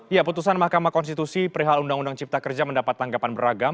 ya putusan mahkamah konstitusi perihal undang undang cipta kerja mendapat tanggapan beragam